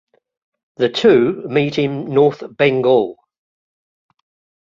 The two meet in North Bengal.